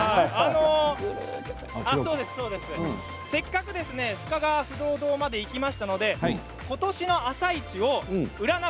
せっかく深川不動堂まで行きましたので今年の「あさイチ」を占う